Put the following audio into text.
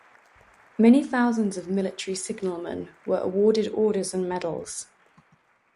Many thousands of military signalmen were awarded orders and medals.